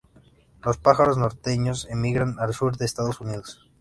Los pájaros norteños emigran al sur de Estados Unidos.